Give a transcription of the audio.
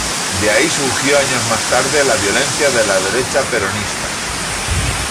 De ahí surgió años más tarde, la violencia de la derecha peronista.